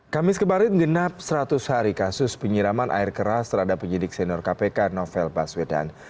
kamis kemarin genap seratus hari kasus penyiraman air keras terhadap penyidik senior kpk novel baswedan